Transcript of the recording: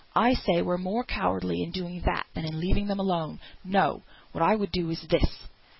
I say we're more cowardly in doing that than in leaving them alone. No! what I would do is this.